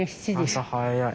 朝早い。